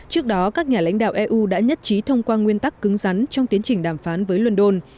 trước đó các nhà lãnh đạo eu đã nhất trí thông qua nguyên tắc cứng rắn trong tiến trình đàm phán với london